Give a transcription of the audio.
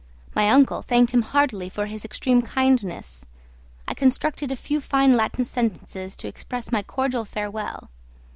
My uncle thanked him heartily for his extreme kindness. I constructed a few fine Latin sentences to express my cordial farewell.